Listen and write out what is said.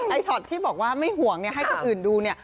ช็อตที่บอกว่าไม่ห่วงเนี่ยให้คนอื่นดูเนี่ย